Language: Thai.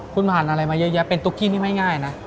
ผ่านอะไรมาเยอะเป็นตุ๊กกี้ไม่ง่ายนะ